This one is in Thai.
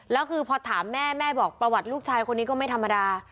แล้วคือพอถามแม่แม่บอกประวัติลูกชายคนนี้ก็ไม่ธรรมดา